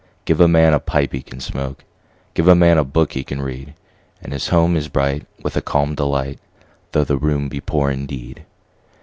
Give a man a pipe he can smoke, 5 Give a man a book he can read: And his home is bright with a calm delight, Though the room be poor indeed.